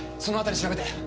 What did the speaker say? その辺り調べて。